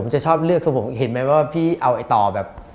ผมจะชอบเลือกคือผมเห็นไหมว่าพี่เอาไอ้ต่อแบบ